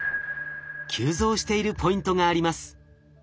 急増しているポイントがあります。